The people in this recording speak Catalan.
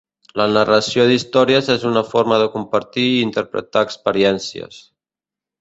La narració d'històries és una forma de compartir i interpretar experiències.